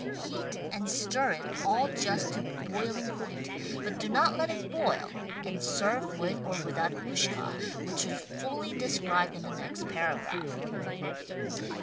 Heat and stir it all just to boiling THE STAG COOK BOOK point, but do not let it boil, and serve with or without "Ushka" which are fully described in the next paragraph.